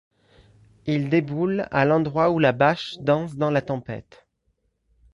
Ils déboulent à l'endroit où la bâche danse dans la tempête.